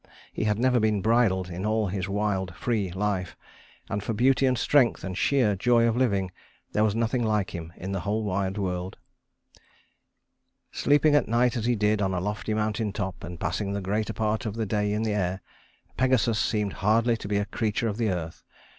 He had never been bridled in all his wild, free life, and for beauty and strength and sheer joy of living there was nothing like him in the whole wide world. "Sleeping at night as he did, on a lofty mountain top, and passing the greater part of the day in the air, Pegasus seemed hardly to be a creature of the earth.